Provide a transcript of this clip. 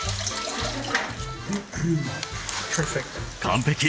完璧！